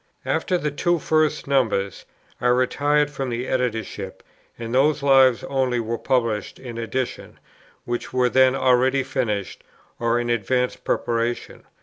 After the two first numbers, I retired from the Editorship, and those Lives only were published in addition, which were then already finished, or in advanced preparation.